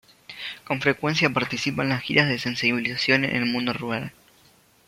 Con frecuencia participa en las giras de sensibilización en el mundo rural.